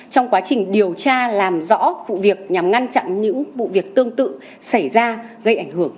trong quá trình điều tra làm rõ vụ việc nhằm ngăn chặn những vụ việc tương tự xảy ra gây ảnh hưởng